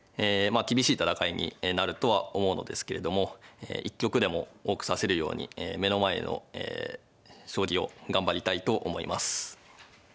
まあ厳しい戦いになるとは思うのですけれども一局でも多く指せるように目の前の将棋を頑張りたいと思います。